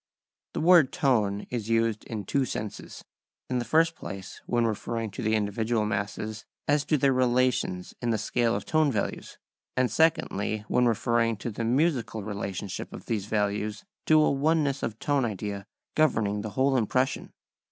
The word tone is used in two senses, in the first place when referring to the individual masses as to their relations in the scale of "tone values"; and secondly when referring to the musical relationship of these values to a oneness of tone idea governing the whole impression.